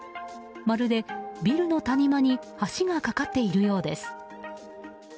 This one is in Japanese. まるでビルの谷間に橋が架かっているようです。